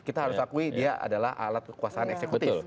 kita harus akui dia adalah alat kekuasaan eksekutif